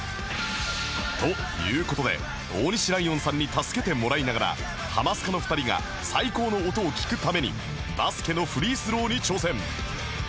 という事で大西ライオンさんに助けてもらいながらハマスカの２人が最高の音を聴くためにバスケのフリースローに挑戦